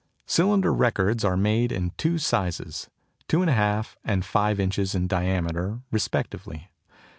Cylinder records are made in two sizes, 2 1/2 and 5 inches in diameter respectively.